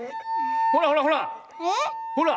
ほらほらほら！